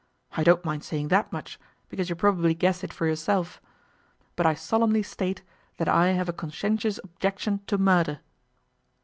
I don't mind saying that much, because you probably guessed it for yourself. But I solemnly state that I have a conscientious objection to murder.